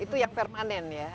itu yang permanen ya